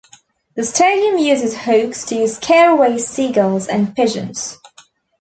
The stadium uses hawks to scare away seagulls and pigeons.